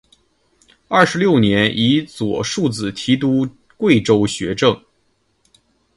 二十六年以左庶子提督贵州学政。